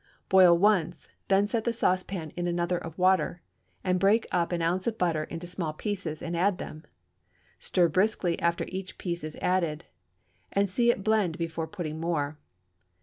Boil once, then set the saucepan in another of water, and break up an ounce of butter into small pieces and add them; stir briskly after each piece is added, and see it blend before putting more.